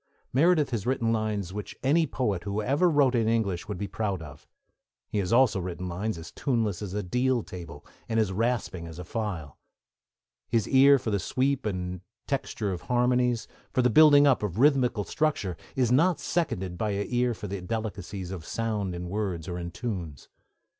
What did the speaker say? Meredith has written lines which any poet who ever wrote in English would be proud of; he has also written lines as tuneless as a deal table and as rasping as a file. His ear for the sweep and texture of harmonies, for the building up of rhythmical structure, is not seconded by an ear for the delicacies of sound in words or in tunes.